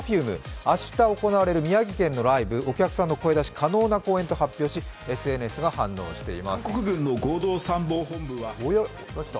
明日行われるライブ、お客さんの声出し可能な公演と発表し、ＳＮＳが反応しています。